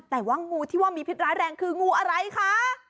แต่ว่างูที่ว่ามีพิษร้ายแรงคืองูอะไรคะ